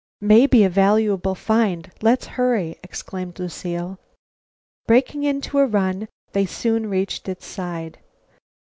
"May be a valuable find. Let's hurry," exclaimed Lucile. Breaking into a run, they soon reached its side.